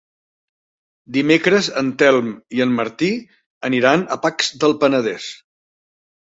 Dimecres en Telm i en Martí aniran a Pacs del Penedès.